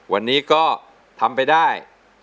วันนี้ก็ทำไปได้